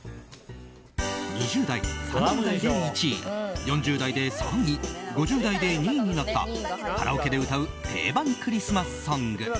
２０代、３０代で１位４０代で３位５０代で２位になったカラオケで歌う定番クリスマスソング。